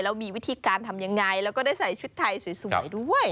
แล้วมีวิธีการทำยังไงแล้วก็ได้ใส่ชุดไทยสวยด้วย